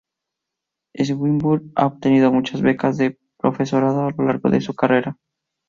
Swinburne ha obtenido muchas becas de profesorado a lo largo de su carrera.